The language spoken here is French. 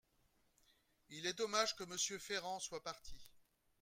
Il est dommage que Monsieur Ferrand soit parti.